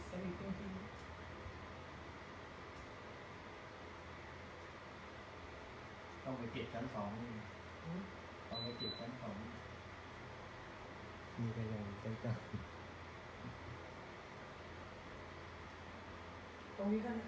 เซลลี่ต้องไปเกลียดชั้นสองนึงหืมต้องไปเกลียดชั้นสองนึง